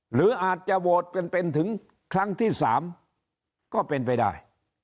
หรืออาจจะโหวตกันเป็นถึงครั้งที่๓ก็เป็นไปได้